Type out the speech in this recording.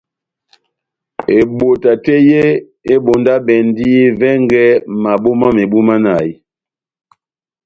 Ebota tɛ́h yé ebondabɛndi vɛngɛ mabo mámebu manahi.